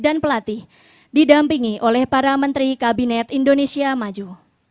pelatih didampingi oleh para menteri kabinet indonesia maju